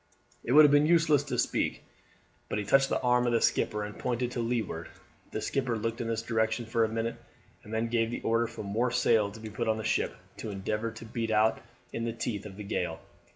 It would have been useless to speak, but he touched the arm of the skipper and pointed to leeward. The skipper looked in this direction for a minute and then gave the order for more sail to be put on the ship, to endeavour to beat out in the teeth of the gale.